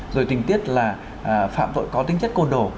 rồi tình tiết là phạm tội có tính chất côn đồ